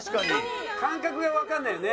感覚がわかんないよね。